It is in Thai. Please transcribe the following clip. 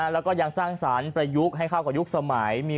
แล้วก็ยังสร้างสรรค์ประยุกต์ให้เข้ากับยุคสมัย